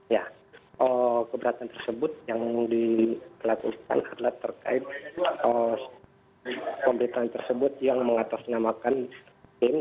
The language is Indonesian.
ya keberatan tersebut yang dilakukan adalah terkait pemberitaan tersebut yang mengatasnamakan tim